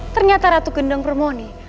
ternyata ratu gendong permoni